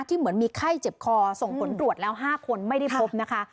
เหมือนมีไข้เจ็บคอส่งผลตรวจแล้ว๕คนไม่ได้พบนะคะ